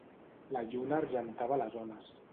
La lluna argentava les ones.